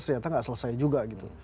proseknya ternyata tidak selesai juga gitu